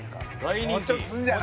もうちょっとすんじゃない？